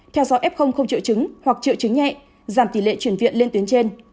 theo dõi f không triệu chứng hoặc triệu chứng nhẹ giảm tỷ lệ chuyển viện lên tuyến trên